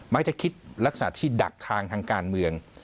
จะคิดลักษณะที่ดักทางทางการเมือง